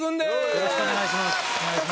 よろしくお願いします。